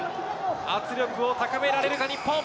圧力を高められるか、日本。